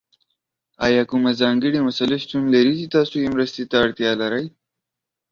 ایا کومه ځانګړې مسله شتون لري چې تاسو یې مرستې ته اړتیا لرئ؟